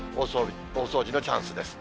大掃除のチャンスです。